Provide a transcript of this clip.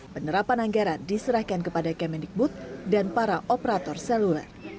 penerapan anggaran diserahkan kepada kemendikbud dan para operator seluler